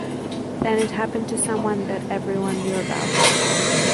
Then it happened to someone that everyone knew about.